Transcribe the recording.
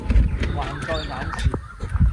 還在眼前。